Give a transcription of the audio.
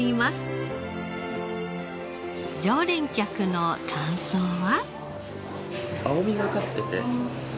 常連客の感想は。